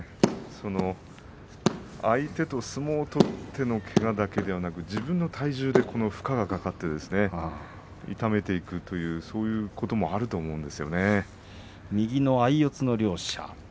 相手と相撲を取ってのけがだけではなく自分の体重で負荷がかかって痛めていくというそういうこともあると思います。